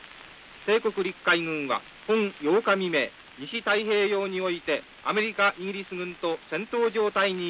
帝国陸海軍は本８日未明西太平洋においてアメリカイギリス軍と戦闘状態に入れり」。